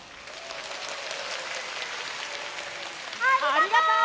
ありがとう！